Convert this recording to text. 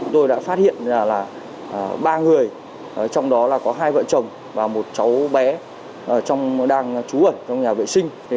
tôi đã phát hiện là ba người trong đó là có hai vợ chồng và một cháu bé đang trú ẩn trong nhà vệ sinh